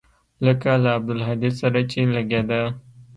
لکه له عبدالهادي سره چې لګېده.